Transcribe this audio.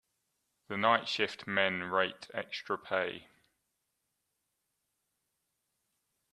The night shift men rate extra pay.